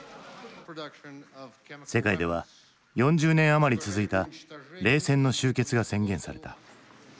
世界では４０年余り続いた冷戦の終結が宣言された。